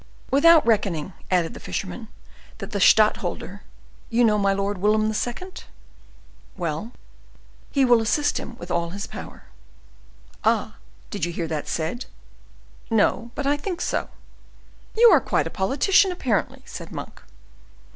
"Without reckoning," added the fisherman, "that the stadtholder—you know, my lord, William II.?—" "Well?" "He will assist him with all his power." "Ah! did you hear that said?" "No, but I think so." "You are quite a politician, apparently," said Monk.